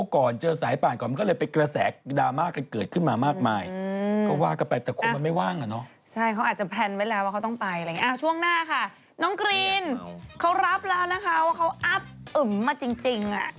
ช่วงหน้าค่ะน้องกรีนเขารับแล้วนะคะว่าเขาอัพอึมมาจริงอย่างไรอยากจะทำอะไร